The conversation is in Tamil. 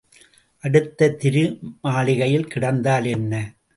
அடுத்த திருமாளிகையில் கிடந்தால் என்ன?